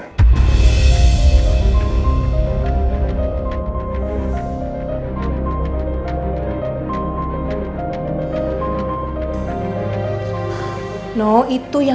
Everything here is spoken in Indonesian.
kalau danelson kalau takut lah